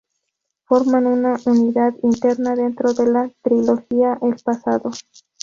Forman una unidad interna dentro de la trilogía "El pasado".